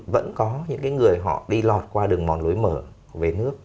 vẫn có những người họ đi lọt qua đường mòn lối mở về nước